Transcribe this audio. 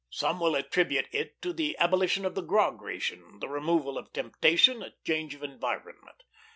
Some will attribute it to the abolition of the grog ration, the removal of temptation, a change of environment.